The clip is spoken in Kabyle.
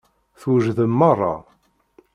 Twejdem meṛṛa.